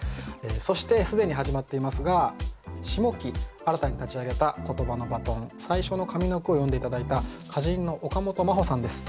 そして既に始まっていますが下期新たに立ち上げた「ことばのバトン」最初の上の句を詠んで頂いた歌人の岡本真帆さんです。